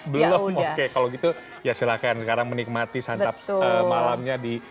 belum oke kalau gitu ya silahkan sekarang menikmati santap malamnya di